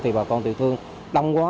thì bà con tiểu thương đông quá